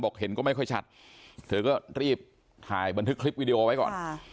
เห็นก็ไม่ค่อยชัดเธอก็รีบถ่ายบันทึกคลิปวิดีโอไว้ก่อน